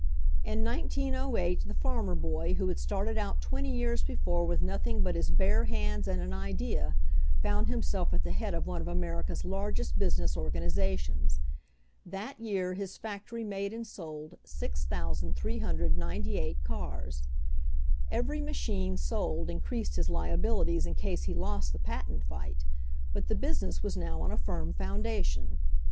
In 1908 the farmer boy who had started out twenty years before with nothing but his bare hands and an idea found himself at the head of one of America's largest business organizations. That year his factory made and sold 6,398 cars. Every machine sold increased his liabilities in case he lost the patent fight, but the business was now on a firm foundation.